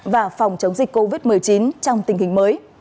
và phòng chống dịch covid một mươi chín trong tình hình mới